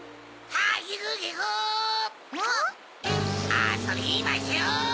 あそびましょう！